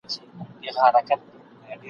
یوه بل ته به زړه ورکړي بې وسواسه !.